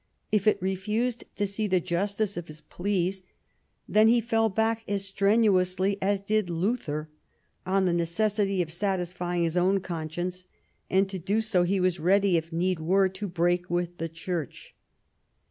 If it refused to see the justice of his pleas, then he fell back as strenuously as did Luther on the necessity of satisfying his own conscience, and to do so he was ready, if need were, to break with the Church.